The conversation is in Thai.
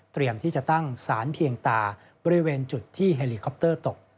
ที่จะตั้งสารเพียงตาบริเวณจุดที่เฮลิคอปเตอร์ตก